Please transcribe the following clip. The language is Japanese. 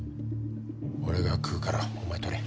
俺が食うからお前撮れ。